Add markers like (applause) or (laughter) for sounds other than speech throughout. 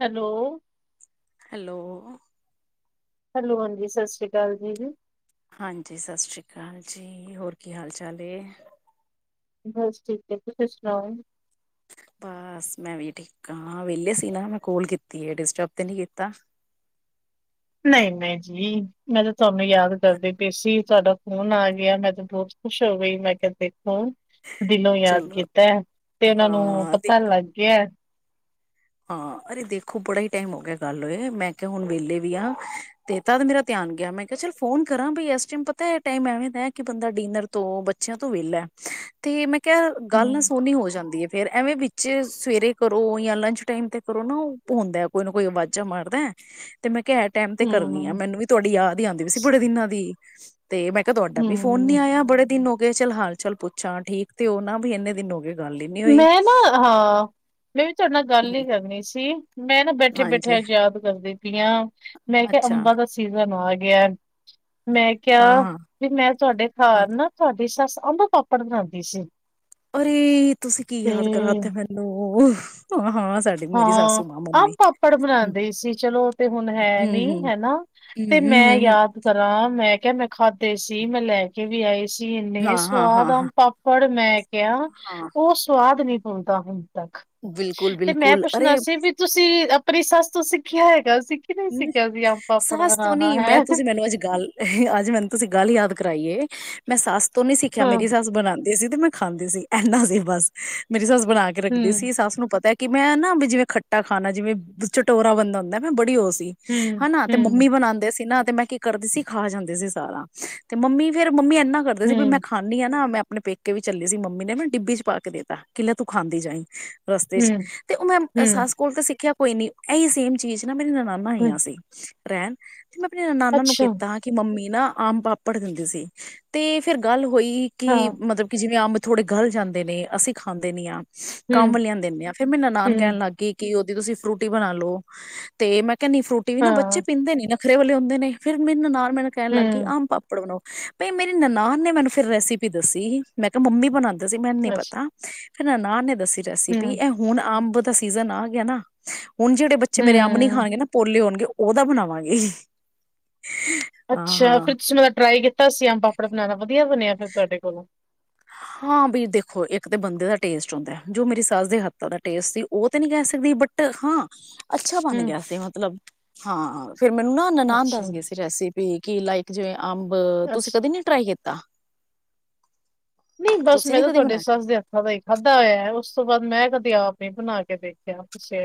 Hello hello hello ਹਾਂਜੀ ਸਤਿ ਸ਼੍ਰੀ ਅਕਾਲ ਜੀ ਹਾਂਜੀ ਸਤਿ ਸ੍ਰੀ ਅਕਾਲ ਜੀ ਹੋਰ ਕੀ ਹਾਲ ਚਾਲ। ਬਸ ਠੀਕ ਹੈ ਤੁਸੀਂ ਸੁਣਾਓ। ਬਸ ਮੈਂ ਵੀ ਠੀਕ ਹ ਵਿਹਲੇ ਸੀ ਨਾ ਮੈਂ ਕੋਲ ਕੀਤੀ ਹੈ ਡਿਸਟਰਬ ਤੇ ਨੀ ਕੀਤਾ। ਨਹੀਂ ਮੈਂ ਜੀ ਮੈਂ ਤੇ ਤੁਹਾਨੂੰ ਯਾਦ ਕਰਦੀ ਪੇ ਸੀ ਤੁਹਾਡਾ ਫੋਨ ਆ ਗਿਆ ਮੈਂ ਤੇ ਬਹੁਤ ਖੁਸ਼ ਹੋ ਗਈ ਮੈਂ ਕਿਹਾ ਦੇਖੋ। ਦਿਲੋਂ ਯਾਦ ਚਲੋ ਕੀਤਾ ਤੇ ਉਹਨਾਂ ਨੂੰ ਹਾਂ ਪਤਾ ਦੇਖ ਲੱਗ ਗਿਆ। ਹਾਂ ਅਰੇ ਦੇਖੋ ਬੜਾ ਹੀ ਟਾਈਮ ਹੋ ਗਿਆ ਗੱਲ ਹੋਏ ਮੈਂ ਕਿਹਾ ਹੁਣ ਵਹਲੇ ਵੀ ਆ ਤੇ ਤਦ ਮੇਰਾ ਧਿਆਨ ਗਿਆ ਮੈਂ ਕਿਹਾ ਚੱਲ ਫੋਨ ਕਰਾਂ ਬ ਇਸ ਟਾਈਮ ਪਤਾ ਟਮ ਐਵੇਂ ਦਾ ਕਿ ਬੰਦਾ ਡਿਨਰ ਤੋਂ ਬੱਚਿਆਂ ਤੋਂ ਵਹਲਾ ਤੇ ਮੈਂ ਕਿਆ ਗੱਲ ਨਾ ਹਮ ਸੋਹਣੀ ਹੋ ਜਾਂਦੀ ਹੈ ਫੇਰ ਐਵੇਂ ਵਿੱਚ ਸਵੇਰੇ ਕਰੋ ਜਾਂ ਲੰਚ ਟਾਈਮ ਤੇ ਕਰੋ ਨਾ ਉਹ ਹੁੰਦਾ ਕੋਈ ਨਾ ਕੋਈ ਆਵਾਜ਼ਾਂ ਮਾਰਦਾ ਤੇ ਮੈਂ ਕਹਿ ਟਾਈਮ ਤੇ ਕਰਨੀ ਆ ਹਮ ਮੈਨੂੰ ਵੀ ਤੁਹਾਡੀ ਯਾਦ ਹੀ ਆਦੀ ਵੀ ਸੀ ਬੜੇ ਦਿਨਾਂ ਦੀ (unintelligible) ਤੇ ਮੈਂ ਕਿਹਾ ਤੁਹਾਡਾ ਵੀ ਫੋਨ ਨੀ ਹਮ ਆਇਆ ਬੜੇ ਦਿਨ ਹੋ ਗਏ ਚੱਲ ਹਾਲ ਚਾਲ ਪੁੱਛਾਂ ਠੀਕ ਤੇ ਉਹ ਨਾ ਵੀ ਇੰਨੇ ਦਿਨ ਹੋ ਗਏ। ਗੱਲ ਹੀ ਨੀ ਹੋਈ ਮੈਂ ਨਾ ਹਾਂ ਮੈਂ ਵੀ ਤਾੜੇ ਨਾਲ ਗੱਲ ਹੀ ਕਰਨੀ ਸੀ। ਜੀ। ਮੈਂ ਨਾ ਬੈਠੇ ਬੈਠੇ ਆ ਹਾਂਜੀ ਯਾਦ ਕਰਦੀ ਪਈ ਹਾਂ, ਮੈਂ ਕਿਹਾ ਅੱਛਾ ਅੰਬਾਂ ਦਾ ਸੀਜ਼ਨ ਆ ਗਿਆ। (inaudible) ਮੈਂ ਹਾਂ ਕਿਹਾ ਹਾਂ ਵੀ ਮੈਂ ਤੁਹਾਡੇ ਹਾਂ ਘਰ ਨਾ ਤੁਹਾਡੀ ਸੱਸ ਅੰਬ ਪਾਪੜ ਬਣਾਉਂਦੀ ਸੀ। ਏ ਤੁਸੀਂ ਕੀ ਤੇ ਯਾਦ ਕਰਾ ਤਾ ਮੈਨੂੰ ਹਾਂ ਹਾਂ ਸਾਡੀ ਮੇਰੀ ਹਾਂ ਸਾਸੂ ਮਾਂ ਮੰਮੀ ਅੰਮ ਪਾਪੜ ਹਮ ਬਣਾਦੀ ਸੀ ਚਲੋ ਔ ਤੇ ਹੁਣ ਹੈ ਨੀ ਹਮ ਹਮ ਹੈਨਾ, ਹਮ ਤੇ ਹਮ ਮੈਂ ਹਮ ਹਮ ਯਾਦ ਕਰਾਂ ਮੈਂ ਕਿਹਾ ਮੈਂ ਖਾਧੇ ਸੀ ਮੈਂ ਲੈ ਕੇ ਵੀ ਆਈ ਸੀ, ਇੰਨੇ ਹਾਂ ਹਾਂ ਹਾਂ ਸਵਾਦ ਹਾਂ ਅੰਮ ਪਾਪੜ, ਮੈਂ ਕਿਹਾ ਉਹ ਸਵਾਦ ਨੀ ਹੁਣ ਤਾਂ ਹੂ ਬਿਲਕੁਲ, ਬਿਲਕੁਲ ਮੈਂ ਪੁੱਛਣਾ ਸੀ ਵੀ ਤੁਸੀਂ ਅਪਣੀ ਸੱਸ ਤੋਂ ਸਿੱਖਿਆ ਹੈ ਸੱਸ ਤੋਂ ਬਣਾਉਣਾ ਨੀ ਹੈ ਮੈਂ ਤੁਸੀਂ ਮੈਨੂੰ ਅੱਜ ਗੱਲ ਅੱਜ ਮੈਨੂੰ ਤੁਸੀਂ ਗੱਲ ਯਾਦ ਕਰਾਈਏ, ਮੈਂ ਸੱਸ ਤੂ ਨੀ ਸਿੱਖਿਆ ਹਾਂ ਮੇਰੀ ਸੱਸ ਬਣਾ ਸੀ ਤੇ ਮੈਂ ਖਾਂਦੀ ਸੀ, ਇੰਨਾ ਸੀ ਬਸ ਮੇਰੀ ਸੱਸ ਬਣਾ ਕੇ ਰੱਖਦੀ ਹੂੰ ਸੀ, ਸੱਸ ਨੂੰ ਪਤਾ ਕਿ ਮੈਂ ਨਾ ਵੀ ਜਿਵੇਂ ਖੱਟਾ ਖਾਣਾ, ਜਿਵੇਂ ਚਟੋਰਾ ਬੰਦਾ ਹੁੰਦਾ ਏ ਨ, ਮੈਂ ਬੜੀ ਔ ਸੀ ਹੂੰ ਹਨਾ ਤੇ ਹੂੰ ਮੰਮੀ ਬਣਾਦੇ ਸੀ ਨਾ ਤੇ ਮੈਂ ਕੀ ਕਰਦੀ ਸੀ ਖਾ ਜਾਂਦੀ ਸੀ ਸਾਰਾ ਤੇ ਮੰਮੀ ਫੇਰ ਮੰਮੀ ਇਨਾ ਮਨਾ ਕਰਦੇ ਸੀ ਵੀ ਮੈਂ ਹੂੰ ਖਾਂਦੀ ਹਾਂ ਨਾ ਮੈਂ ਮੈਂ ਅਪਣੇ ਪੇਕੇ ਵੀ ਚੱਲੀ ਸੀ ਮੰਮੀ ਨੇ ਮੈਨੂੰ ਡਿੱਬੀ ਚ ਪਾ ਕੇ ਦੇ ਤਾ ਕਿ ਲੈ ਤੂੰ ਖਾਂਦੀ ਜਾਈ। ਰਸਤੇ ਚ ਹੂੰ ਤੇ ਉਹ ਮੈਂ ਹੂੰ ਸੱਸ ਕੋਲ ਤੇ ਸਿੱਖਿਆ ਕੋਈ ਨੀ ਇਹੀ ਸੇਮ ਚੀਜ਼ ਨਾ ਮੇਰੀ ਨਨਾਣ ਹੂੰ ਨਈ ਆਈ ਸੀ। ਰੈਣ ਮੈਂ ਅਪਣੀ ਨਨਾਂਣਾ ਨੂੰ ਅੱਛਾ, ਕੀਤਾ ਹਾਂ ਕਿ ਮੰਮੀ ਨਾ ਆਮ ਪਾਪੜ ਦਿੰਦੀ ਸੀ ਤੇ ਫੇਰ ਗੱਲ ਹੋਈ ਕਿ ਹਾਂ, ਮਤਲਬ ਕਿ ਜਿਵੇਂ ਅੰਬ ਥੋੜ੍ਹੇ ਗਲ ਜਾਂਦੇ ਨੇ ਅਸੀਂ ਖਾਂਦੇ ਨਹੀ ਆ ਕੰਮ ਹੂੰ, ਵਾਲੀਆਂ ਦਿੰਦੇ ਆ, ਫੇਰ ਮੇਰੀ ਨਨਾਣ ਹੂੰ, ਕਹਿਣ ਲੱਗ ਗਈ ਕਿ ਤੁਸੀਂ ਫਰੂਟੀ ਬਣਾ ਲੋ, ਤੇ ਮੈਂ ਕਿੰਨੀ ਫਰੂਟੀ ਵੀ ਨਾ ਬੱਚੇ ਹਾਂ, ਪੀਂਦੇ ਨੀ ਨਾ, ਵੱਖਰੇ ਵ ਵਾਲੇ ਹੁੰਦੇ ਨੇ ਫਿਰ ਮੈਨੂੰ ਨਾਲ, ਮੈਂ ਤਾ ਕਹਿਣ ਲੱਗਈ ਹੂੰ, ਆਮ ਪਾਪੜ ਬਣਾਓ। ਭਈ ਮੇਰੀ ਨਨਾਣ ਨੇ ਮੈਨੂੰ ਫਿਰ ਰੈਸਿਪੀ ਦੱਸੀ ਮੈਂ ਕਿਹਾ ਮੰਮੀ ਬਣਾਉਂਦੀ ਸੀ ਮੈਨੂੰ ਨੀ ਅੱਛ ਪਤਾ। ਫ ਨਨਾਣ ਨੇ ਦੱਸਿਆ ਰੈਸਿਪੀ ਹੂੰ, ਇਹ ਹੁਣ ਆਮ ਤਾਂ ਸੀਜ਼ਨ ਆ ਗਿਆ ਨਾ। ਹੁਣ ਜਿਹੜੇ ਬੱਚੇ ਮੇਰੇ ਅੰਬ ਨੀ ਹੂੰ, ਖਾਂਣਗੇ ਨਾ। (unintelligible) ਹੋਣਗੇ ਉਹਦਾ ਬਣਾਵਾਂਗੇ। ਹਾਂ ਅੱਛਾ ਹਾਂ ਫਿਰ ਤੁਸੀਂ ਮੈਂ ਟਰਾਈ ਕੀਤਾ ਸੀ ਆਮ ਪਾਪੜਾ ਬਣਾਉਣਾ ਵਧੀਆ ਬਣਿਆ, ਫਿਰ ਤੁਹਾਡੇ ਕੋਲੋਂ, ਹਾਂ ਵੀ ਦੇਖੋ ਇੱਕ ਤਾਂ ਬੰਦੇ ਦਾ ਟੇਸਟ ਹੁੰਦਾ ਜੋ ਮੇਰੀ ਸੱਸ ਦੇ ਹੱਥ ਦਾ ਟੇਸਟ ਸੀ ਉਹ ਤੇ ਨਹੀਂ ਕਹਿ ਸਕਦੀ ਬਟ ਹਾਂ, ਅੱਛਾ ਬਣ ਹੂੰ, ਗਿਆ ਸੀ ਮਤਲਬ। ਹਾਂ ਫੇਰ ਮੈਨੂੰ ਨਾ ਨਨਾਣ ਦੱਸ ਅੱਛਾ, ਗਈ ਸੀ ਰੈਸਿਪੀ ਕਿ ਲਾਈਕ ਜਿਵੇਂ ਅੰਬ ਤੁਸੀਂ ਅੱਛ ਕਦੇ ਨੀ ਟਰਾਈ ਕੀਤਾ ਨਹੀਂ ਬਸ ਤੁਸੀਂ ਮੈਂ ਨੀ ਤਾਂ ਕਦੇ ਤੁਹਾਡੇ ਬਣਾਇਆ ਸੱਸ ਦੇ ਹੱਥਾਂ ਦਾ ਹੀ ਖਾਂਦਾ ਹੋਇਆ ਉਸ ਉਸ ਤੋਂ ਬਾਅਦ ਮੈਂ ਕਦੇ ਆਪ ਨੀ ਬਣਾ ਕੇ ਦੇਖਿਆ ਪੁਛਿਆ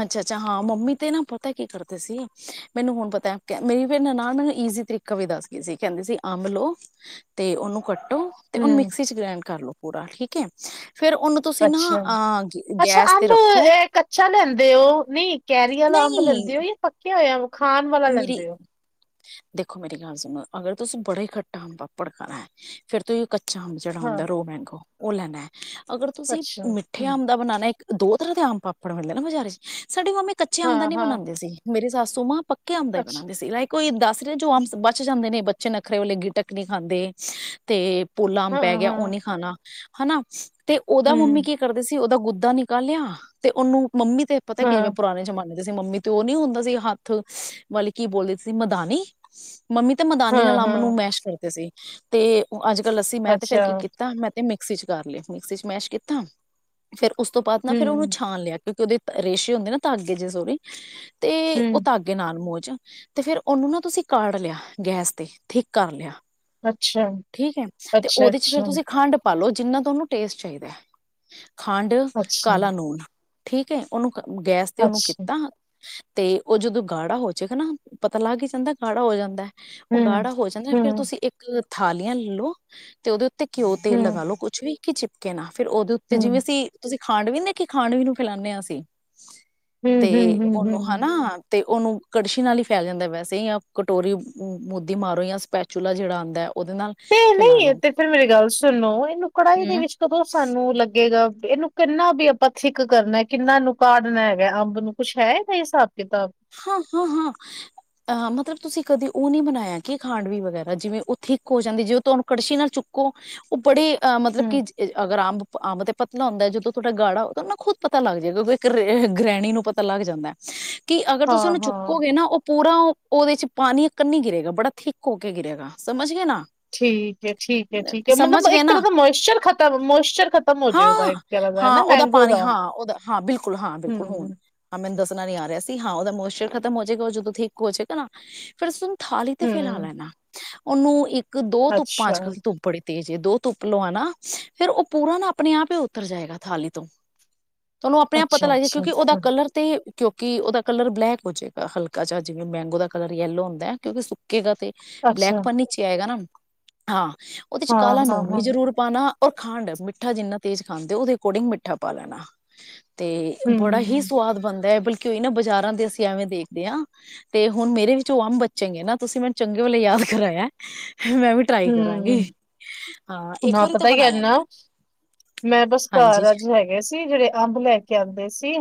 ਅੱਛਾ ਅੱਛਾ ਹਾਂ ਮੰਮੀ ਤੇ ਨਾ ਪਤਾ ਕੀ ਕਰਦੇ ਸੀ ਮੈਨੂੰ ਹੁਣ ਪਤਾ ਮੇਰੀ ਨਨਾਣ ਮੈਨੂੰ ਇਜ਼ੀ ਤਰੀਕਾ ਵੀ ਦੱਸ ਗਈ ਸੀ ਕਹਿੰਦੀ ਸੀ ਅੰਬ ਲੋ ਤੇ ਉਹਨੂੰ ਕੱ ਤੇ ਓਹਨੂੰ ਹੂੰ, ਮਿਕਸੀ ਚ ਗ੍ਰੈਂਡ ਕਰ ਲੋ ਪੂਰਾ ਠੀਕ ਹੈ। ਫੇਰ ਉਹਨੂੰ ਤੁਸੀਂ ਨਾ ਅੱਛਾ। ਅਹ ਗੈਸ ਤੇ ਰੱਖੋ ਫਿਰ ਉਹ ਨਹੀਂ ਕੈਰੀ ਵਾਲਾ ਅੰਬ ਨਹੀਂ ਲੈਂਦੇ ਹੋ ਜਾਂ ਪੱਕਿਆ ਹੋਇਆ ਖਾਣ ਵਾਲਾ ਮੇਰੀ ਲੈਂਦੇ ਹੋ ਦੇਖੋ ਮੇਰੀ ਗੱਲ ਸੁਣੋ ਅਗਰ ਤੁਸੀਂ ਬੜੇ ਖੱਟ ਪਾਪੜ ਕਰਾ ਫੇਰ ਤੁਸੀਂ (unintelligible) ਜਿਹੜਾ ਹੁੰਦਾ ਹਾਂ, ਰੋ ਮਹਿੰਗੋ ਉਹ ਲੈਣਾ ਅਗਰ ਤੁਸੀਂ ਅੱਛਾ, ਮਿੱਠੇ ਹੂੰ, ਅੰਬ ਦਾ ਬਣਾਉਣਾ ਦੋ ਤਰ੍ਹਾਂ ਦੇ ਅੰਬ ਪਾਪੜ ਮਿਲਦੇ ਨਾ ਬਜ਼ਾਰੇ ਚ ਸਾਡੇ ਮੰਮੀ ਕੱਚੇ ਅੰਬ ਦਾ ਹਾਂ, ਨੀ ਹਾਂ, ਬਣਾਂਦੇ ਸੀ ਮੇਰੇ ਸੱਸੂ ਮਾਂ, ਪੱਕੇ ਅੰਬ ਦਾ ਹੀ ਅੱਛਾ, ਬਣਾਂਦੇ ਸੀ ਲਾਈਕ ਕੋਈ ਦੱਸ ਰਿਹਾ ਜੋ ਅੰਬ ਬਚ ਜਾਂਦੇ ਨੇ, ਚ ਨੱਖਰੇ ਵਾਲੇ ਗੀਟਕ ਨ ਖਾਂਦੇ ਤੇ, ਪੋਲਾ ਅੰਬ ਪੈ ਹਾਂ, ਗਿਆ ਹਾਂ। ਉਹ ਨੀ ਖਾਣਾ, ਹਨਾ, ਤੇ ਉਹਦਾ ਮੰਮੀ ਕੀ ਕਰਦੇ ਸੀ ਉਹਦਾ ਗੁਦਾ, ਗੁਦਾਂ ਨਿਕਲਿਆ ਤੇ ਉਹਨੂੰ, ਮੰਮੀ ਤੇ ਪਤਾ ਕਿਵੇਂ ਪੁਰਾਣੇ ਜਮਾਨੇ, (unintelligible) ਮੰਮੀ ਤੋਂ ਉਹ ਨੀ ਹੁੰਦਾ ਮਤਲਬ ਕੀ ਬੋਲਦੇ ਸੀ ਮਦਾਨੀ, ਮੰਮੀ ਤੇ ਮਦਾਨੀ ਨਾਲ ਅੰਬ ਨੂੰ ਮੈਸ਼ ਕਰ, ਸੀ ਤੇ ਅੱਜ ਲੱਸੀ ਮੈਂ ਤੇ ਫੇਰ ਕੀ ਕੀਤਾ ਮੈਂ, ਤੇ ਮਿਕਸੀ ਚ ਕਰਲੇ ਮਿਕਸੀ ਚ ਮੈਸ਼ ਕੀਤਾ ਫੇਰ, ਉਸ ਤੋਂ ਬਾਅਦ ਨਾ ਫਿਰ ਉਸ ਨੂੰ ਸ਼ਾਨ ਲਿਆ, ਉਹਦੇ ਰੇਸ਼ੇ ਹੁੰਦੇ ਨਾ ਧਾਗੇ ਜੇ ਸੋਰੇ ਹਮ, ਨਾਲ ਮੋਜ ਤੇ ਫਿਰ ਉਹਨੂੰ ਨਾ ਤੁਸੀਂ ਕਾਢ ਲਿਆ ਗੈਸ ਤੇ ਥਿੱਕ ਕਰ ਲਿਆ, ਠੀਕ ਹੈ ਤੇ ਉਹਦੇ ਚ ਫਿਰ ਤੁਸੀਂ ਖੰਡ, ਪਾਲੋ ਜਿੰਨਾ ਤੁਹਾਨੂੰ ਟੇਸਟ ਚਾਹੀਦਾ ਹੈ, ਖੰਡ,,,,, ਕਾਲਾ ਨੂਣ, ਠੀਕ ਏ ਉਹਨੂੰ, ਗੈਸ ਤੇ ਉਹਨੂੰ ਕੀਤਾ,,, ਤੇ, ਉਹ ਜਦੋਂ ਗਾੜਾ ਹੋ ਜਾਏਗਾ ਨਾ,, ਪਤਾ ਲੱਗ ਹੀ ਜਾਂਦਾ ਗਾੜਾ ਹੋ ਜਾਂਦਾ, ਉਹ ਗਾੜਾ ਹੋ ਜਾਂਦਾ ਫਿਰ ਤੁਸੀਂ ਇੱਕ, ਥਾਲੀਆਂ ਲਓ,, ਤੇ ਉਹਦੇ, ਤੇ ਘਿਓ ਤੇਲ ਲਗਾ ਲੋ ਕੁੱਛ ਵੀ, ਕੀ ਚਿੱਪਕੇ ਨਾ, ਉਹਦੇ ਉੱਤੇ ਜਿਵੇਂ ਅਸੀਂ ਤੁਸੀਂ, ਖਾਂਡ ਵੀ ਨੀਂ ਦੇਖੀ ਕਿ ਖਾਣਵੀ ਨੂੰ ਖਿਲਾਉਂਦੇ ਹਾਂਸੀਂ, ਹਮ ਹਮ ਹਮ ਹਮ,, ਅਤੇ ਉਹਨੂੰ ਕੜਛੀ ਨਾਲ ਹੀ ਫੈਲ ਜਾਂਦਾ ਵੈਸੇ ਜਾਂ ਕਟੋਰੀ ਮੁੱਧੀ ਮਾਰੋ ਜਾਂ ਸਪੈਚੂਲਾ ਜਿਹੜਾ ਆਉਂਦਾ, ਉਹਦੇ ਨਾਲ ਤੇ ਫੈਲਾ ਨਹੀਂ ਲਓ ਤੇ ਫਿਰ ਮੇਰੇ ਗੱਲ ਸੁਣ, ਸੁੱਲੋ, ਨੂੰ ਕੜਾਈ ਹਮ ਦੇ ਵਿੱਚ ਕਦੋਂ ਸਾਨੂੰ ਲੱਗੇਗਾ। ਇਹਨੂੰ ਕਿੰਨਾ ਵੀ ਆਪਾਂ ਥਿੱਕ ਕਰਨਾ ਕਿੰਨਾ ਇਹਨੂੰ ਕਾਢਨਾ ਹੈਗਾ, ਅੰਬ ਨੂੰ ਕੁਛ ਹੈਗਾ ਹਿਸਾਬ, ਕਿਤਾਬ? ਹਾਂ-ਹਾਂ-ਹਾਂ, ਅ ਮਤਲਬ, ਤੁਸੀਂ ਕਦੇ ਉਹ ਨੀ ਬਣਾਇਆ, ਕੀ ਖਾਂਡ ਵੀ ਵਗੈਰਾ ਜਿਵੇਂ, ਉਹ ਥਿੱਕ ਹੋ ਜਾਂਦੀ, ਜੇ ਤੁਹਾਨੂੰ ਕੜਛੀ ਨਾਲ ਚੁੱਕੋ ਉਹ ਬੜੇ ਮਤਲਬ ਹੂੰ, ਕਿ ਅਗਰ ਅੰਬ-ਅੰਬ ਤੇ, ਪਤਲਾ ਹੁੰਦਾ, ਜਦੋਂ ਤੁਹਾਡਾ ਗਾੜਾ ਖੁਦ ਪਤਾ ਲੱਗ ਜਾਏ, ਕਿਉਂਕਿ ਇੱਕ ਗ੍ਰਹਿਣੀ ਨੂੰ ਪਤਾ ਲੱਗ ਜਾਂਦਾ। ਕਿ ਅਗਰ ਤੁਸੀਂ ਹਾਂ, ਉਹਨੂੰ ਹਾਂ, ਚੁੱਕੋਗੇ, ਨਾ ਉਹ ਪੂਰਾ ਉਹ ਉਹਦੇ ਚ ਪਾਣੀ ਇਕ ਨੀ ਗਿਰੇਗਾ ਬੜਾ ਥਿੱਕ ਹੋ ਕੇ ਗਿਰੇਗਾ ਸਮਝ ਗਏ ਨਾ। ਠੀਕ ਐ ਠੀਕ ਐ ਠੀਕ ਹੈ, ਮਤਲਬ ਸਮਝ ਗਏ ਇੱਕ ਨਾ ਤਰ੍ਹਾਂ ਦਾ ਮੋਇਸਚਰ ਖਤਮ ਮੋਇਸਚਰ ਖਤਮ ਹੋਜੇ, ਉਹਦਾ ਹਾਂ, ਇੱਕ ਤਰ੍ਹਾਂ ਦਾ ਹੈ ਨਾ ਹਾਂ ਉਹਦਾ ਮੈਂਗੋ ਪਾਣੀ ਦਾ ਹਾਂ ਉਹਦਾ ਹੂੰ। ਨਹੀਂ ਆ ਰਿਹਾ ਸੀ ਹਾਂ ਉਹਦਾ ਮੋਸ਼ਚਰ ਖਤਮ ਹੋ ਜਾਏਗਾ, ਉਹ ਜਦੋਂ ਠੀਕ ਹੋ ਜਾਵੇਗਾ ਫਿਰ ਉਸਨੂੰ ਥਾਲੀ ਤੇ ਫੈਲਾ ਲੇਨਾ। ਉਹਨੂੰ ਇੱਕ ਇੱਕ-ਦੋ ਧੁੱਪਾ ਅੱਜ-ਕੱਲ ਧੁੱਪ ਬੜੀ ਤੇ ਜੇ ਦੋ ਧੁੱਪ ਲਵਾਣਾ, ਫੇਰ ਉਹ ਪੂਰਾ ਨਾ ਆਪਣੇ ਆਪ ਹੀ ਉਤਰ ਜਾਏਗਾ ਥਾਲੀ ਤੋਂ। ਤੁਹਾਨੂੰ ਆਪਣੇ ਆਪ ਪਤਾ ਲੱਗ ਜਾਏ ਕਿਉਂਕਿ ਉਹਦਾ ਕਲਰ ਤੇ ਕਿਉਂ ਕੀ ਉਹਦਾ ਕਲਰ ਬਲੈਕ ਹੋ ਜਾਏਗਾ ਹਲਕਾ ਜਾ ਜਿਵੇਂ ਮੈਂਗੋ ਦਾ ਕਲਰ ਯੈਲੋ ਹੁੰਦਾ ਹੈ ਕਿਉਂਕਿ ਸੁੱਕੇਗਾ ਤੇ ਬਲੈਕ ਪਨੀ 'ਚ ਆਏਗਾ ਨਾ। ਹਾਂ। ਉਹਦੇ 'ਚ ਕਾਲਾ ਨੂਣ ਵੀ ਜ਼ਰੂਰ ਪਾਣਾ। ਔਰ ਖੰਡ, ਮਿੱਠਾ ਜਿੰਨਾ ਤੇਜ਼ ਖਾਂਦੇ ਉਹਦੇ ਅਕੋਰਡਿੰਗ ਮਿੱਠਾ ਪਾ ਲੈਣਾ। ਤੇ ਬੜਾ ਹੀ ਸਵਾਦ ਬਣਦਾ ਹੈ ਬਿਲ ਕਿਉਂਈ ਨਾ ਬਜ਼ਾਰ ਦਾ ਦੇ ਅਸੀਂ ਐਵੇਂ ਦੇਖਦੇ ਹਾਂ ਤੇ ਹੁਣ ਮੇਰੇ ਵੀ ਜੋ ਅੰਬ ਬੱਚੇਗੇ ਨਾ ਤੁਸੀਂ ਮੈਨੂੰ ਚੰਗੇ ਵੇਲੇ ਯਾਦ ਕਰਾਇਆ। ਮੈਂ ਵੀ ਟਰਾਈ ਕਰਾਂਗੀ ਹਾਂ ਹੂੰ, ਇੱਕ ਨਾ ਵਾਰੀ ਤਾਂ ਪਤਾ ਹੀ ਕਰ ਬਣਾਇਆ ਇਨਾ ਮੈਂ ਮੈਂ ਬਸ ਹਾਂਜੀ ਘਰ ਅੱਜ ਹੈਗੇ ਸੀ ਜਿਹੜੇ ਅੰਬ ਲੈ ਕੇ ਆਦੇ ਸੀ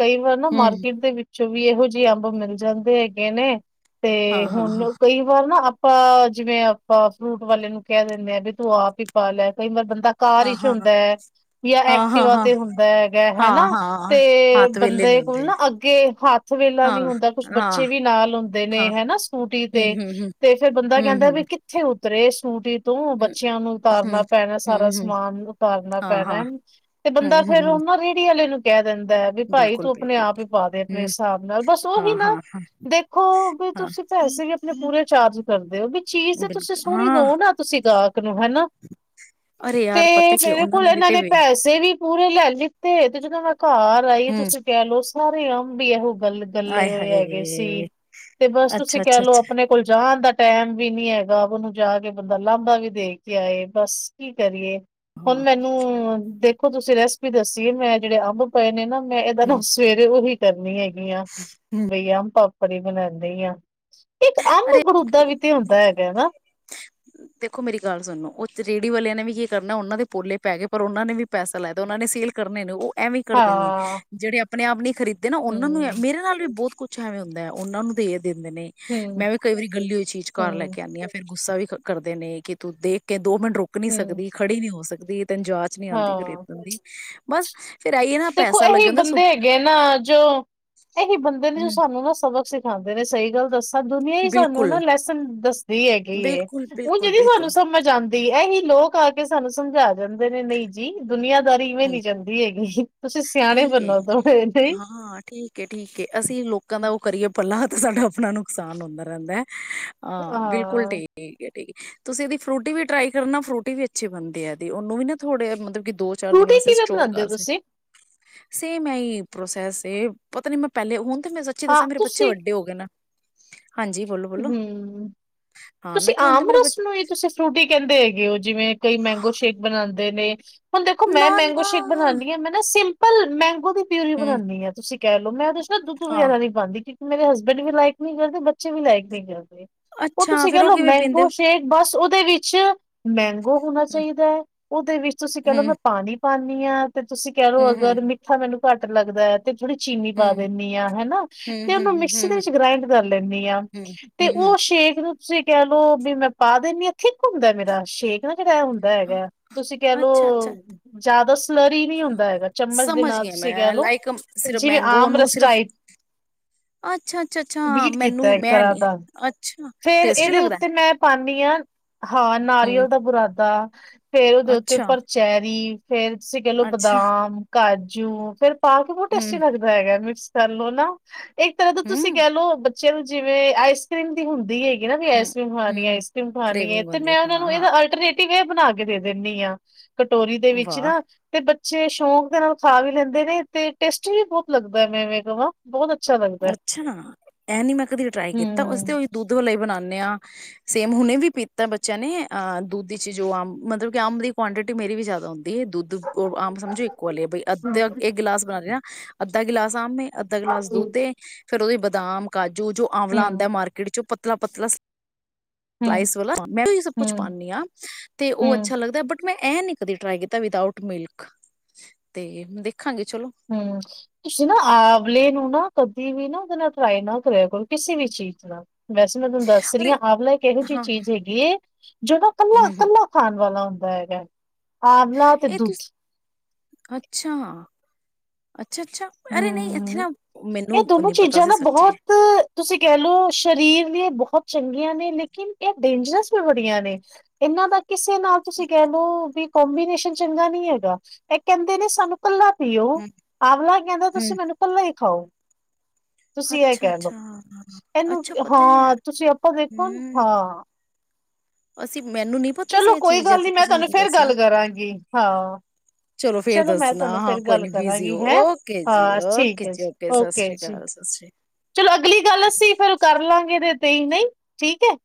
ਕਈ ਵਾਰ ਨਾ ਹਮ ਮਾਰਕੀਟ ਦੇ ਵਿੱਚ 'ਚ ਵੀ ਇਹੋ ਜਿਹੇ ਅੰਬ ਮਿਲ ਜਾਂਦੇ ਹੈਗੇ ਨੇ ਤੇ ਹਾਂ ਹਾਂ ਹੁਣ ਹਾਂ ਕਈ ਵਾਰ ਨਾ ਆਪਾਂ ਜਿਵੇਂ ਆਪਾਂ ਫਰੂਟ ਵਾਲੇ ਨੂੰ ਕਹਿ ਦਿੰਦੇ ਆ ਵੀ ਤੂੰ ਆਪ ਹੀ ਪਾ ਲੈ ਕਈ ਵਾਰ ਬੰਦਾ ਕਾਰ ਹਾਂ 'ਚ ਹਾਂ ਹੁੰਦਾ ਹੈ, ਜਾਂ ਹਾਂ ਐਕਟੀਿਵਾ ਹਾਂ ਤੇ ਹੁੰਦਾ ਹੈਗਾ ਹਾਂ ਹਾਂ ਹਨਾ ਹਾਂ ਤੇ ਹੱਥ ਵੇਲੇ ਨੀ ਬੰਦੇ ਕੋਲ ਹੁੰਦੇ ਨਾ ਅੱਗੇ ਹੱਥ ਵਹਿਲਾ ਹਾਂ ਨੀ ਹੁੰਦਾ ਕੁਛ ਹਾਂ ਬੱਚੇ ਵੀ ਨਾਲ ਹੁੰਦੇ ਨੇ ਹਾਂ ਹੈਨਾ ਸਕੂਟੀ ਹਮ ਤੇ ਹਮ ਹਮ ਤੇ ਫੇਰ ਬੰਦਾ ਹਮ ਕਹਿੰਦਾ ਵੀ ਕਿੱਥੇ ਉੱਤਰੇ ਸੂਟੀ ਤੋਂ ਹਮ ਬੱਚਿਆਂ ਨੂੰ ਹਮ ਉਤਾਰਨਾ ਪੈਣਾ ਹਮ ਹਮ ਸਾਰਾ ਹਮ ਸਮਾਨ ਉਤਾਰਨਾ ਹਾਂ ਪੈਣਾ, ਹਾਂ ਤੇ ਬੰਦਾ ਹਮ ਫੇਰ ਹਮ ਉਹਨਾਂ ਰੇਹੜੀ ਆਲੇ ਨੂੰ ਕਹਿ ਦਿੰਦੇ ਵੀ ਭਾਈ ਬਿਲਕੁਲ ਤੂੰ ਆਪਣੇ ਬਿਲਕੁਲ ਆਪ ਹੀ ਪਾ ਦੇ ਆਪਣੇ ਹਮ ਹਿਸਾਬ ਨਾਲ ਬਸ ਉਹੀ ਹਾਂ ਨਾ, ਹਾਂ ਦੇਖੋ ਵੀ ਹਾਂ ਤੁਸੀਂ ਪੈਸੇ ਤੇ ਪੂਰੇ ਚਾਰਜ ਕਰਦੇ ਉਹ ਵੀ। ਚੀਜ਼ ਤੇ ਤੁਸੀਂ ਬਿਲਕੁਲ ਸੁਣੀ ਹਾਂ ਦਓ ਨਾ ਤੁਸੀਂ ਗਾਹਕ ਨੂੰ ਹਨਾ, ਅਰੇ ਤੇ ਯਾਰ ਪਤਾ ਕੀ ਮੇਰੇ ਉਹਨਾਂ ਕੋਲ ਵੀ ਇਹਨਾਂ ਤੇ ਨੇ ਵੇ ਪੈਸੇ ਵੀ ਪੂਰੇ ਲੈ ਲਿੱਤੇ ਤੇ ਜਦੋਂ ਮੈਂ ਘਰ ਆਈ ਹਮ ਤੁਸੀਂ ਕਹਿ ਲੋ ਸਾਰੇ ਅੰਬ ਹੀ ਇਹੋ ਗੱਲ ਆਏ ਗੱਲੇ ਹੋਏ ਹੈਗੇ ਸੀ ਹਾਏ ਤੇ ਬਸ ਤੁਸੀਂ ਅੱਛਾ ਕਹਿ ਅੱਛਾ ਲਓ ਅੱਛਾ ਆਪਣੇ ਕੋਲ ਜਾਣ ਦਾ ਟਾਈਮ ਵੀ ਨੀ ਹੈਗਾ ਹੁਣ ਜਾ ਕੇ ਬੰਦਾ ਲਾਂਬਾ ਵੀ ਦੇ ਕੇ ਆਏ ਬਸ ਕੀ ਕਰੀਏ। ਹੁਣ ਹਾਂ ਮੈਨੂੰ ਦੇਖ ਦੇਖੋ ਤੁਸੀਂ ਰੈਸਪੀ ਦੱਸੀ ਏ ਮੈਂ ਜਿਹੜੇ ਅੰਬ ਪਏ ਨੇ ਨਾ ਮੈਂ ਇਹਦਾ ਨਾ ਹਮ ਸਵੇਰੇ ਉਹੀ ਕਰਨੀ ਹੈਗੀ। ਹਮ ਬਈ ਆਮ ਪਾਪੜ ਬਣਾਉਂਦੇ ਆ। ਇੱਕ ਅੰਮ ਅਰੇ ਗਰੂਦਾ ਵੀ ਤੇ ਹੁੰਦਾ ਦੇਖੋ ਹੈਗਾ ਹੈ ਨਾ। ਦੇਖੋ ਮੇਰੀ ਗੱਲ ਸੁਣੋ ਉਹ ਰੇਹੜੀ ਵਾਲਿਆਂ ਨੇ ਵੀ ਕੀ ਕਰਨਾ ਉਹਨਾਂ ਦੇ ਪੋਲੇ ਪੈ ਗਏ ਪਰ ਉਹਨਾਂ ਨੇ ਵੀ ਪੈਸਾ ਲਾਇ ਤ ਉਹਨਾਂ ਨੇ ਸੇਲ ਕਰਨੇ ਨੇ ਉਹ ਐਵੇਂ ਕਰਦੇ ਨੇ ਹਾਂ ਜਿਹੜੇ ਆਪਣੇ ਆਪ ਨਹੀਂ ਖਰੀਦੇ ਨਾ ਉਹਨਾਂ ਨੂੰ ਹੂੰ ਮੇਰੇ ਨਾਲ ਵੀ ਬਹੁਤ ਕੁਛ ਛਾਇਆ ਹੁੰਦਾ ਹੈ ਉਹ ਨੂੰ ਭੇਦ ਦਿੰਦੇ ਨੇ ਹੂੰ ਮੈਂ ਵੀ ਕਈ ਵਾਰੀ ਕਲੀ ਹੋਈ ਚੀਜ਼ ਚ ਘਰ ਲੈ ਹੂੰ ਕੇ ਆਂਣੀ ਹਾ ਫੇਰ ਗੁੱਸਾ ਵੀ ਕਰਦੇ ਨੇ ਕਿ ਤੂੰ ਦੇਖ ਕੇ ਦੋ ਮਿੰਟ ਰੁਕ ਨਹੀਂ ਹੂੰ ਸਕਦੀ ਖੜੀ ਨਹੀਂ ਹੋ ਸਕਦੀ। ਵੀ ਤੈਨੂੰ ਜਾਚ ਨਹੀਂ ਆਦੀ ਹਾਂ, ਖਰੀਦਣ ਦੀ ਬਸ ਫੇਰ ਆਈਏ ਨਾ ਦੇਖੋ ਪੈਸਾ ਲੱਗੇ ਇਹੀ ਹੁੰਦਾ ਬੰਦੇ ਸੁੱਟ ਹੈਗੇ ਨਾ ਜੋ ਇਹੀ ਬੰਦੇ ਨੇ ਜੋ ਹਮ ਸਾਨੂੰ ਨਾ ਸਬਕ ਸਿੱਖਾਦੇ ਨੇ ਸਹੀ ਗੱਲ ਦੱਸਾ ਦੁਨੀਆਂ ਹੀ ਸਾਨੂੰ ਨਾ ਬਿਲਕੁਲ ਲੈਸਨ ਦੱਸਦੀ ਹੈਗੀ ਬਿਲਕੁਲ ਹੁਣ ਬਿਲਕੁਲ ਜਿਹੜੀ ਸਾਨੂੰ ਬਿਲਕੁਲ ਸਮਝ ਆਦੀ ਇਹੀ ਲੋਕ ਆ ਕੇ ਸਾਨੂੰ ਸਮਝਾ ਜਾਂਦੇ ਨੇ ਨਹੀਂ ਜੀ ਦੁਨੀਆਂ ਦਾਰੀ ਇਵੇਂ ਹਮ ਨੀ ਜਾਂਦੀ ਹੈਗੀ। ਠੀਕ ਏ। ਬਣੋ ਥੋੜੇ ਨਹੀਂ ਠੀਕ ਏ। ਠੀਕ ਏ ਅਸੀਂ ਲੋਕਾਂ ਦਾ ਉਹ ਕਰੀਏ ਭਲਾ ਸਾਡਾ ਆਪਣਾ ਨੁਕਸਾਨ ਹੁੰਦਾ ਰਹਿੰਦਾ ਹੈ। ਹਾਂ ਬਿਲਕੁਲ ਠੀਕ ਠੀਕ ਏ। ਤੁਸੀਂ ਇਹਦੀ ਫਰੂਟੀ ਵੀ ਟਰਾਈ ਕਰਨਾ। ਫਰੂਟੀ ਵੀ ਅਛੀ ਬਣਦੀ ਆ ਇਹਦੀ ਉਹਨੂੰ ਵੀ ਨਾ ਥੋੜ੍ਹੇ ਮਤਲਬ ਕਿ ਦੋ ਚਾਰ ਦਿਨ ਫਰੂਟੀ ਵਾਸਤੇ ਕਿਵੇਂ ਸਟੋਰ ਬਣਾਉਂਦੇ ਹੋ ਕਰ ਸੀ। ਤੁਸੀਂ? ਸੇਮ ਐਹੀ ਪ੍ਰੋਸੈਸ ਏ ਪਤਾ ਨੀ ਮੈਂ ਪਹਿਲੇ ਹੁਣ ਮੈਂ ਸੱਚੀ ਹਾਂ ਦੱਸਾਂ ਮੇਰੇ ਬੱਚੇ ਤੁਸੀਂ ਵੱਡੇ ਹੋ ਗਏ ਨਾ। ਹਾਂਜੀ ਬੋਲੋ ਬੋਲੋ ਹੂੰ। ਹਾਂ ਮੈਂ ਤੁਸੀਂ ਕਿਹਾ ਹੁਣ ਤੇ ਆਮ ਮੇਰੇ ਬ ਰਸ ਨੂੰ ਹੀ ਤੁਸੀਂ ਫਰੂਟੀ ਕਹਿੰਦੇ ਹੈਗੇ ਹੋ ਜਿਵੇਂ ਕਈ ਮੈਂਗੋ ਸ਼ੇਕ ਬਣਾਦੇ ਦੇ ਨੇ ਹੁਣ ਦੇਖੋ ਨਾ ਮੈਂ ਮੈਂਗੋ ਨਾ ਸ਼ੇਕ ਬਨਾਨੀ ਹਾਂ ਮੈਂ ਨਾ ਸਿੰਪਲ ਪਲ ਮੈਂਗੋ ਦੀ ਪਿਓਰੀ ਹਮ ਬਨਾਨੀ ਆ ਤੁਸੀਂ ਕਹਿ ਲਓ ਮੈਂ ਉਹਦੇ ਨਾਲ ਨਾ ਦੁੱਧ ਹਾਂ ਵਗੈਰਾ ਨੀ ਪਾਉਦੀ। ਮੇਰੇ ਹਸਬੈਂਡ ਵੀ ਲਾਈਕ ਨੀ ਕਰਦੇ ਬੱਚੇ ਵੀ ਲਾਈਕ ਨੀ ਕਰਦੇ। ਉਹ ਅੱਛਾ ਤੁਸੀਂ ਫੇਰ ਕਹਿਲਓ ਕਿਵੇਂ ਪੀਂਦੇ ਮੈਂਗੋ ਸ਼ੇਕ ਬਸ ਉਹ ਦੇ ਵਿੱਚ ਮੈਂ ਉਹ ਹੋਣਾ ਚਾਹੀਦਾ ਹੈ ਉਹਦੇ ਵਿੱਚ ਤੁਸੀਂ ਕਹਿ ਲਓ ਹਮ ਮੈਂ ਪਾਣੀ ਪਾਨੀ ਆਂ। ਤੇ ਤੁਸੀਂ ਕਹਿ ਲੋ ਹਮ ਹਮ ਅਗਰ ਮਿੱਠਾ ਮੈਨੂੰ ਘੱਟ ਲੱਗਦਾ ਐ। ਤੇ ਥੋੜ੍ਹੀ ਚੀਨੀ ਪਾ ਹਮ ਦਿੰਨੀ ਹਾਂ। ਹਨਾ ਤੇ ਹਮ ਉਹਨੂੰ ਹਮ ਮਿਕਸੀ ਦੇ ਹਮ ਹਮ ਵਿੱਚ ਗ੍ਰਾਇੰਡ ਕਰ ਲੈਂਦੀ ਆ। ਹਮ ਤੇ ਹਮ ਉਹ ਸ਼ੇਕ ਨੂੰ ਤੁਸ ਈ ਕਹਿ ਲੋੋ ਵੀ ਮੈਂ ਪਾ ਦਿੰਨੀ। ਇੱਥੇ ਘੁੰਮਦਾ ਮੇਰਾ ਸ਼ੇਕ ਨਾ ਇਹ ਹੁੰਦਾ ਹਮ ਹੈਗਾ ਤੁਸੀਂ ਕਹਿ ਅੱਛਾ ਅੱਛਾ ਲਓ ਜ਼ਿਆਦਾ ਸਲਰੀ ਹੀ ਨਹੀ ਹੁੰਦਾ ਹੈਗਾ। ਚਮਚ ਦੇ ਸਮਝ ਨਾਲ ਗਈ ਤੁਸੀਂ ਕਹਿ ਲਓ ਮੈਂਲਾਈਕ ਸਿਰਫ ਜਿਵੇਂ ਮੈਂਗੋ ਆਮ ਨੂੰ ਰਸ ਸਿਰਫ। ਟਾਈਪ ਅੱਛਾ ਅੱਛਾ ਅੱਛਾ ਬੀਟ ਮੈਨੂੰ। ਕੀਤਾ ਇੱਕ ਤਰ੍ਹਾਂ ਨੀ ਦਾ ਅੱਛਾ ਫੇਰ ਟੇਸਟੀ ਇਹਦੇ ਲੱਗਦਾ ਹੈ। ਉੱਤੇ ਮੈਂ ਪਾ ਨੀਆਂ। ਹਾਂ, ਹੂੰ ਨਾਰੀਅਲ ਦਾ ਬੁਰਾਦਾ। ਫੇਰ ਉਹਦੇ ਉੱਤੇ ਅੱਛਾ ਪਰਚੈਰੀ! ਫੇਰ ਤੁਸੀਂ ਕਹਿ ਲਉ ਅੱਛਾ ਬਦਾਮ ਕਾਜੂ ਜਿਉਂ ਫਿਰ ਖਾ ਕੇ ਬਹੁਤ ਟੇਸਟੀ ਹੂੰ ਲਗਦਾ ਹੈਗਾ ਮਿਕਸ ਸਾਨੂੰ ਨਾ, ਇੱਕ ਤਰ੍ਹਾਂ ਦਾ ਤੁਸੀਂ ਹੂੰ ਕਹਿ ਲਉ ਚੋਲੋ ਜਿਵੇਂ ਆਈਸ ਕਰ੍ਰੀਮ ਹੁੰਦੀ ਹੈਗੀ ਨਾ ਵੀ ਹੂੰ ਆਈਸ ਕਰੀਮ ਹੂੰ ਖਾਣੀ ਹੂੰ ਆਈਸ ਕਰ੍ਰੀਮ ਖਾਣੀ ਹੈ ਕਰੇਵਿੰਗ ਤੇ ਹੁੰਦੀ ਮੈਂ ਉਹਨਾਂ ਹਾਂ ਨੂੰ ਹਾਂ ਇਹਦਾ ਅਲਟਰਨੇਟ ਕਿਵੇਂ ਬਣਾ ਕੇ ਦੇ ਦਿੰਦੀ ਆ ਕਟੋਰੀ ਦੇ ਵਿੱਚ ਵਾਹ ਨਾ, ਸ਼ੌਕ ਦੇ ਨਾਲ ਖਾ ਵੀ ਲੈਂਦੇ ਨੇ ਤੇ ਟੇਸਟੀ ਵੀ ਬਹੁਤ ਲੱਗਦਾ ਮੈ ਐਵੇ ਕਹਿ ਬਹੁਤ ਟੇਸਟੀ ਅੱਛਾ ਨਾ ਇਹ ਨੀ ਮੈਂ ਕਦੇ ਟਰਾਈ ਕੀਤਾ ਉਸਦੇ ਹੂੰ ਦੁਧ ਦੁੱਧ ਵਾਲੇ ਬਣਾਦੇ ਹਾਂ ਸੇਮ ਹੁਣੇ ਵੀ ਪੀਤਾ ਬੱਚਿਆਂ ਨੇ, ਅਹ ਦੁੱਧ ਚ, ਜੋ ਆਮ ਮਤਲਬ ਕਿ ਆਮ ਦੀ ਕੁਆਂਟਿਟੀ ਮੇਰੀ ਵੀ ਜ਼ਿਆਦਾ ਹੁੰਦੀ। ਦੁੱਧ ਆਮ ਸਮਝੋ ਇੱਕੋ ਐ ਵੀ ਅੱਧ ਹੂੰ। ਇੱਕ ਗਲਾਸ ਬਣਾ ਲਾਇਆ ਨਾ। ਅੱਧਾ ਗਿਲਾਸ ਆਮ ਏ, ਅੱਧਾ ਹੂੰ, ਗਲਾਸ ਦੁੱਧੇ ਦੇ, ਫੇਰ ਉਹ ਹੀ ਬਦਾਮ ਕਾਜੂ ਜੋ ਜੋ ਆਮਲਾ ਹੂੰ, ਆਦਾ ਮਾਰਕੀਟ ਚ, ਪਤਲਾ-ਪਤਲਾ, ਹੂੰ, ਗਲਾਸ ਵਾਲਾ ਮੈਂ ਸਭ ਕੁਛ ਹੂੰ, ਪਾਣੀ ਹਾਂ ਤੇ ਉਹ ਅੱਛਾ ਲੱਗਦਾ ਬਟ ਮੈਂ ਇਹ ਨੀ ਕਦੀ ਟਰਾਈ ਕੀਤਾ ਵਿਦ ਆਊਟ ਮਿਲਕ ਤੇ ਦੇਖਾਂਗੇ ਚਲੋ ਹੂੰ, ਤੁਸੀਂ ਨਾ ਆਮਲੇ ਨੂੰ ਨਾ ਕਦੇ ਵੀ ਨਾ ਉਹਦੇ ਨਾਲ ਟਰਾਈ ਨਾ ਕਰਿਆ ਕੋਈ ਕਿਸੇ ਵੀ ਚੀਜ਼ ਨਾਲ ਵੈਸੇ ਮੈਂ ਤੁਹਾਨੂੰ ਦੱਸ ਰਹੀ ਹਾਂ ਅਰੇ ਆਮਲਾ ਕਿ ਇਹੋ ਜਿਹੀ ਹਾਂ ਚੀਜ਼ ਹੈਗੀ ਐ। ਜਿਹੜਾ ਹੂੰ-ਹੂੰ ਕੱਲਾ-ਕੱਲਾ ਖਾਣ ਵਾਲਾ ਹੁੰਦਾ। ਹੈਗਾ, ਆਵਲਾ ਤੇ ਇਹ ਦੁੱਧ ਤੁਸੀਂ ਅੱਛਾ, ਅੱਛਾ-ਅੱਛਾ, ਅਰੇ ਨਹੀਂ ਇੱਥੇ ਨਾ ਇਹ ਮੈਨੂੰ ਦੋਨੋ ਨੀ ਪਤਾ ਚੀਜ਼ਾਂ ਸੀ ਨਾ ਸੱਚੀ। ਬਹੁਤ ਤੁਸੀਂ ਕਹਿ ਲਓ ਸਰੀਰ ਲਈ ਬਹੁਤ ਵਧਿਆ ਹੈ। ਚੰਗੀਆਂ ਨੇ ਲੇਕਿਨ ਇਹ ਡੇਂਜਰਸ ਵੀ ਬੜੀਆਂ ਨੇ ਇਹਨਾਂ ਦਾ ਨੁਕਸਾਨ ਵੀ ਹੁੰਦਾ। ਕਿਸੇ ਨਾਲ ਤੁਸੀਂ ਕਹਿ ਲਉ ਕੀ, ਕੋਂਬੀਨੇਸ਼ਨ ਚੰਗਾ ਨੀ ਹੈਗਾ ਇਹ ਕਹਿੰਦੇ ਨੇ ਸਾਨੂੰ ਕੱਲਾ ਪੀਓ ਆਵਲਾ ਤੁਸੀ ਹੂੰ-ਹੂੰ। ਮੈਨੂੰ ਪੇਲਾ ਹੀ, ਖਾਓ, ਤੁਸੀਂ ਇਹ ਅੱਛਾ-ਅੱਛਾ, ਅੱਛਾ ਕਹਿ ਲਓ ਅੱਛਾ ਇਹਨੂੰ ਅੱਛਾ ਪਤਾ ਹੈ ਹਾਂ ਤੁਸੀਂ ਆਪਾਂ ਦੇਖੋ ਹੂੰ। ਹਾਂ। ਅਸੀਂ, ਮੈਨੂੰ ਨੀ ਪਤਾ ਸੀ ਚਲੋ ਇਹ ਕੋਈ ਚੀਜ਼ ਹੈ ਗੱਲ ਤੇ ਨੀ ਮੈਂ ਤੁਸੀਂ ਤੁਹਾਨੂੰ ਮੈਨੂੰ ਫੇਰ ਦੱਸਿਆ। ਗੱਲ ਕਰਾਂਗੀ ਹਾਂ ਫੇਰ ਚਲੋ ਮੈਂ ਦੱਸਣਾ ਤੁਹਾਨੂੰ ਹਾਂ ਫੇਰ ਕੋਈ ਗੱਲ ਨੀ ਬਿਜ਼ੀ ਕਰਾਂਗੀ ਹੋ ਹੈਂ ਓਕੇ ਜੀ ਹਾਂ ਓਕੇ ਠੀਕ ਹੈ ਜੀ ਸਤਿ ਓਕੇ ਸ੍ਰੀ ਜੀ ਅਕਾਲ ਸਤਿ ਸ੍ਰੀ ਚਲੋ ਅਗਲੀ ਗੱਲ ਅਸੀਂ ਫਿਰ ਕਰ ਲਾਂਗੇ। ਤੇ ਹੀ ਨਹੀਂ ਠੀਕ ਹੈ।